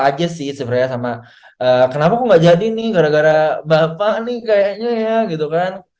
aja sih sebenarnya sama kenapa kok gak jadi nih gara gara bapak nih kayaknya ya gitu kan